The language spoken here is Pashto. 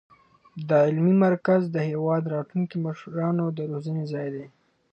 دا علمي مرکز د هېواد د راتلونکو مشرانو د روزنې ځای دی.